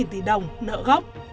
tỷ đồng nợ gốc